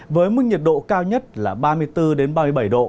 với mức nhiệt độ cao nhất là ba mươi bốn ba mươi bảy độ